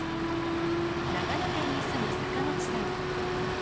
長野県に住む坂口さん。